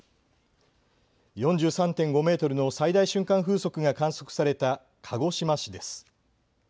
４３．５メートルの最大瞬間風速が観測された鹿児島市です。